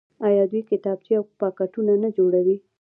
آیا دوی کتابچې او پاکټونه نه جوړوي؟